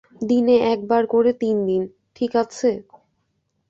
দিনে একবার করে তিনদিন, ঠিক আছে?